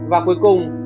và cuối cùng